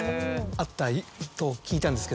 あったと聞いたんですけど。